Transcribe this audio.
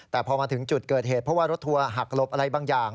แต่พอมาถึงจุดเกิดเหตุเพราะว่ารถทัวร์หักหลบอะไรบางอย่าง